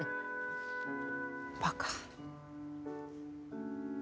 バカ。